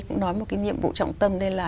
cũng nói một cái nhiệm vụ trọng tâm đây là